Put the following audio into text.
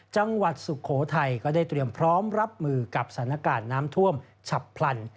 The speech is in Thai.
สุโขทัยก็ได้เตรียมพร้อมรับมือกับสถานการณ์น้ำท่วมฉับพลัน